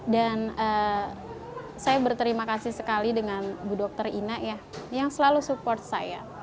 dan saya berterima kasih sekali dengan bu dr ina ya yang selalu support saya